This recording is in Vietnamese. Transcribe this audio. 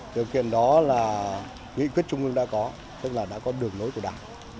điều kiện đó là nghị quyết trung ương đã có tức là đã có đường nối của đảng